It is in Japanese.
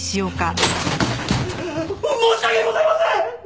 申し訳ございません！